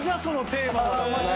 そのテーマは！